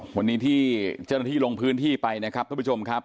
วันนี้ที่เจ้าหน้าที่ลงพื้นที่ไปนะครับทุกผู้ชมครับ